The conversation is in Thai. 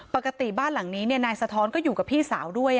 ปกติบ้านหลังนี้นายสะท้อนก็อยู่กับพี่สาวด้วย